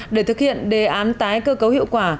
để thực hiện đề án tái cơ cấu hiệu quả